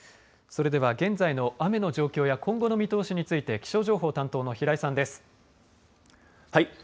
それでは現在の雨の状況や今後の見通しについて気象情報担当の平井さんです。